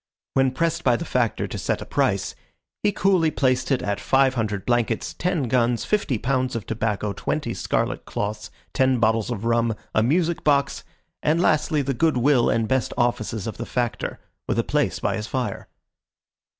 When pressed by the Factor to set a price, he coolly placed it at five hundred blankets, ten guns, fifty pounds of tobacco, twenty scarlet cloths, ten bottles of rum, a music box, and lastly the good will and best offices of the Factor, with a place by his fire.